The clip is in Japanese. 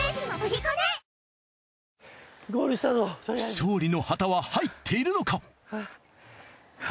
勝利の旗は入っているのか？